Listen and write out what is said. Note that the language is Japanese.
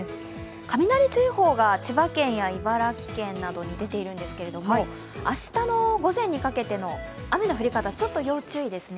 雷注意報が千葉県や茨城県などに出ているんですけれども、明日の午前にかけての雨の降り方ちょっと要注意ですね。